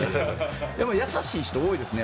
でも、優しい人多いですね。